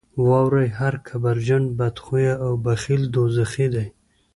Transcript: واورئ هر کبرجن، بدخویه او بخیل دوزخي دي.